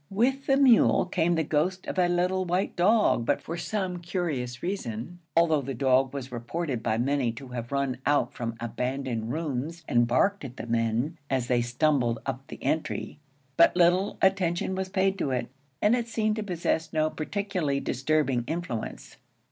With the mule came the ghost of a little white dog; but for some curious reason, although the dog was reported by many to have run out from abandoned rooms and barked at the men as they stumbled up the entry, but little attention was paid to it, and it seemed to possess no particularly disturbing influence.